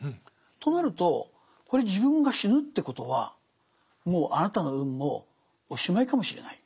となるとこれ自分が死ぬってことはもうあなたの運もおしまいかもしれない。